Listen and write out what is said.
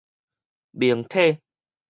明體